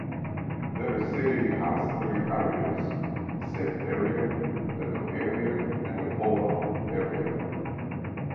The city has three areas: the safe area, the new area and the polar area.